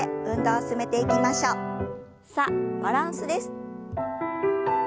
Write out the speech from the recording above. さあバランスです。